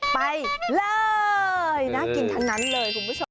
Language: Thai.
ไปเลยน่ากินทั้งนั้นเลย